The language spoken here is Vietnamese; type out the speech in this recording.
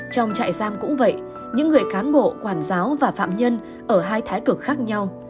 trong trại giam cũng vậy những người cán bộ quản giáo và phạm nhân ở hai thái cực khác nhau